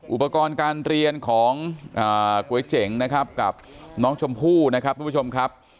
อุปกรณ์การเรียนของก๋วยเจ๋งนะครับกับน้องชมพู่นะครับทุกผู้ชมครับ